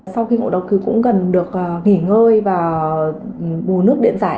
sau khi ngồi đọc thì cũng cần được nghỉ ngơi và bù nước điện giải